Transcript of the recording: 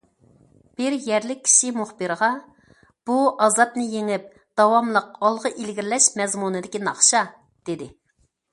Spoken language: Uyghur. بىر يەرلىك كىشى مۇخبىرغا« بۇ ئازابنى يېڭىپ، داۋاملىق ئالغا ئىلگىرىلەش مەزمۇنىدىكى ناخشا» دېدى.